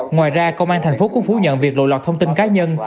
ngoài ra công an tp hcm cũng phủ nhận việc lộ lọt thông tin cá nhân